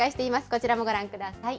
こちらもご覧ください。